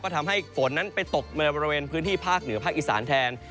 ทำให้ฝนนั้นไปตกในบริเวณพื้นที่ภาคเหนือภาคอีสานแทน